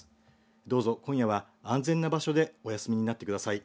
どうぞ今夜は安全な場所でお休みになってください。